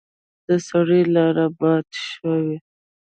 د سړي لاړې باد شوې.